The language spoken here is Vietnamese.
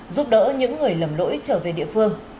giúp đỡ những người lầm lỗi trở về địa phương